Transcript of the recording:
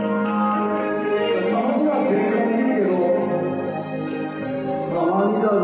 「たまには喧嘩もいいけどたまにだぞ」